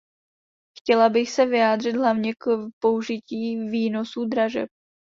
Chtěla bych se vyjádřit hlavně k použití výnosů dražeb.